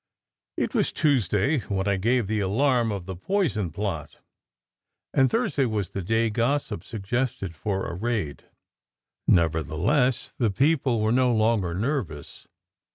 It was Tuesday when I gave the alarm of the poison plot, SECRET HISTORY 111 and Thursday was the day gossip suggested for a raid. Nevertheless, the people were no longer nervous.